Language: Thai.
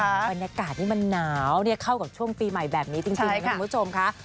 บรรยากาศนี่มันหนาวเข้ากับช่วงปีใหม่แบบนี้จริงนะคุณผู้ชมค่ะ